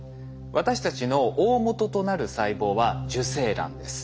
私たちの大本となる細胞は受精卵です。